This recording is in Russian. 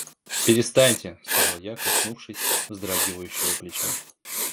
— Перестаньте, — сказал я, коснувшись вздрагивающего плеча.